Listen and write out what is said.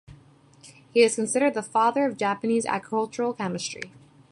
He is considered the "father" of Japanese agricultural chemistry.